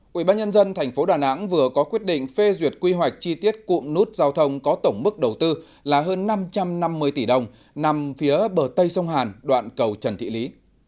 quỹ ban nhân dân tp đà nẵng vừa có quyết định phê duyệt quy hoạch chi tiết cụm nút giao thông có tổng mức đầu tư là hơn năm trăm năm mươi tỷ đồng nằm phía bờ tây sông hàn đoạn cầu trần thị lý